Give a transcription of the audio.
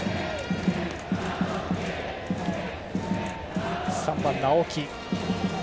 打席には３番、青木。